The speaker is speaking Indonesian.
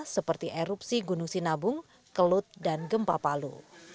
seperti erupsi gunung sinabung kelut dan gempa palu